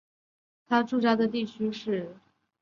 他驻扎地方约是社寮岛城。